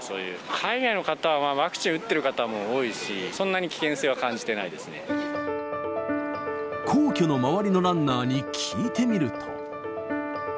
海外の方は、ワクチン打ってる方も多いし、そんなに危険性は感じ皇居の周りのランナーに聞いてみると。